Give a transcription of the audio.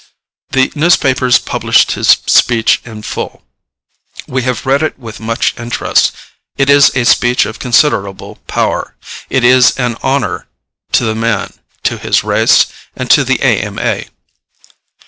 The newspapers published his speech in full. We have read it with much interest. It is a speech of considerable power. It is an honor to the man, to his race and to the A. M. A.